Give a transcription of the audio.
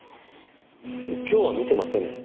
今日は見てませんね。